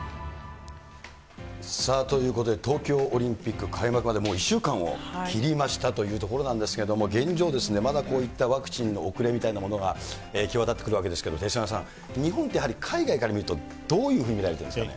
ということで、東京オリンピック開幕までもう１週間を切りましたというところなんですけども、現状ですね、まだこういったワクチンの遅れみたいなものが行き渡ってくるわけですけど、手嶋さん、日本ってやはり海外から見ると、どういうふうに見られているんですか。